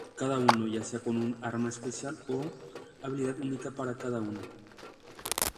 Cada uno, ya sea con un arma especial o habilidad única para cada uno.